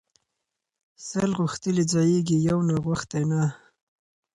ـ سل غوښتلي ځايږي يو ناغښتى نه.